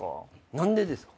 何でですか？